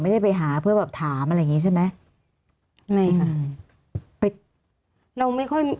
ไม่ได้ไปหาเพื่อแบบถามอะไรอย่างงี้ใช่ไหมไม่ค่ะไปเราไม่ค่อย